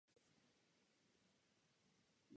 Přístup k veřejným zakázkám je pro ně velmi důležitý.